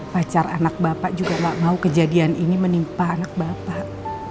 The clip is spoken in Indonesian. pacar anak bapak juga gak mau kejadian ini menimpa anak bapak